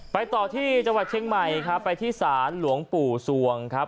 ไปต่อที่จังหวัดเชียงใหม่ครับไปที่ศาลหลวงปู่สวงครับ